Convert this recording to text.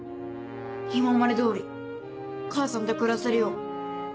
今まで通り母さんと暮らせるよう。